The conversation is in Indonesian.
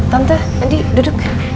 tante andi duduk